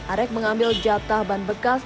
arek mengambil jatah ban bekas